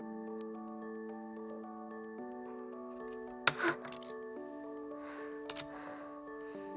あっ。